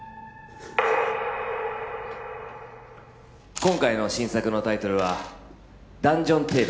今回の新作のタイトルは「ダンジョンテーブル」です